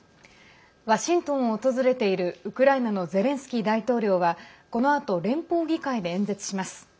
ワシントンを訪れているウクライナのゼレンスキー大統領はこのあと、連邦議会で演説します。